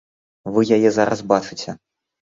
Вы яе зараз бачыце.